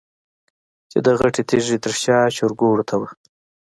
چې د غټې تيږې تر شا چرګوړو ته وه.